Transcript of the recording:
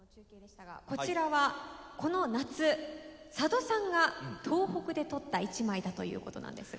こちらはこの夏佐渡さんが東北で撮った一枚だということなんですが。